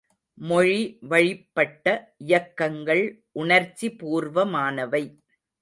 மொழி வழிப்பட்ட இயக்கங்கள் உணர்ச்சி பூர்வமானவை.